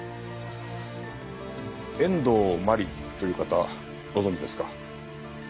遠藤真理という方ご存じですか？